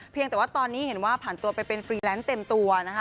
แต่ว่าตอนนี้เห็นว่าผ่านตัวไปเป็นฟรีแลนซ์เต็มตัวนะคะ